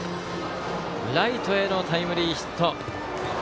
ライトへのタイムリーヒット。